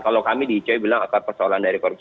kalau kami di icw bilang akar persoalan dari korupsi